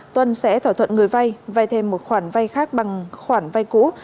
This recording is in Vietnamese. tuân sẽ thỏa thuận người vay vay thêm một khoản vay khác bằng khoản vay cũ